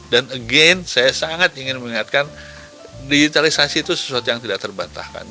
dan again saya sangat ingin mengingatkan digitalisasi itu sesuatu yang tidak terbatahkan